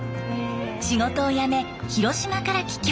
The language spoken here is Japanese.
仕事を辞め広島から帰郷。